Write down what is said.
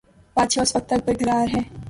بادشاہ اس وقت تک برقرار ہے۔